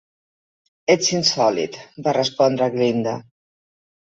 "Ets insòlit", va respondre Glinda.